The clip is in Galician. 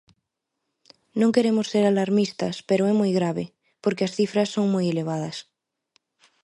Non queremos ser alarmistas pero é moi grave, porque as cifras son moi elevadas.